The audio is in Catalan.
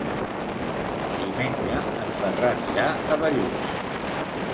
Diumenge en Ferran irà a Bellús.